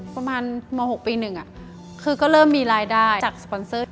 ประมาณม๖ปี๑คือก็เริ่มมีรายได้จากสปอนเซอร์